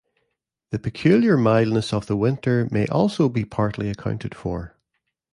The peculiar mildness of the winter may also be partly accounted for.